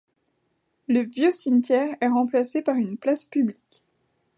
Le vieux cimetière est remplacé par une place publique.